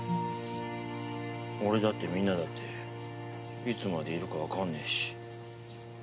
俺だってみんなだっていつまでいるかわかんねえし。